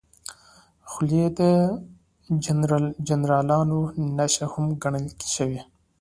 خولۍ د جنرالانو نښه هم ګڼل شوې.